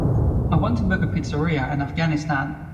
I want to book a pizzeria in Afghanistan.